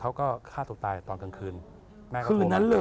เขาก็ฆ่าตัวตายตอนกลางคืน